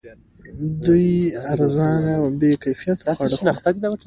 دوی ارزان او بې کیفیته خواړه خوري